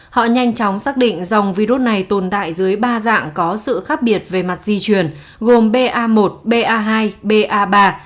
họ nhanh chóng xác định dòng virus này tồn tại dưới ba dạng có sự khác biệt về mặt di truyền gồm ba một ba hai ba ba